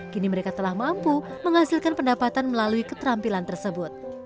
kini mereka telah mampu menghasilkan pendapatan melalui keterampilan tersebut